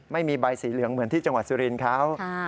ไม่มีใบสีเหลืองเหมือนที่จังหวัดสุรินทร์เขา